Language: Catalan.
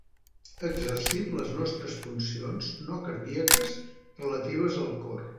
Exercim les nostres funcions no cardíaques relatives al cor.